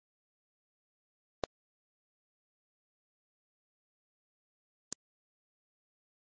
Tie Frida havis amaferon kun la komunista estro.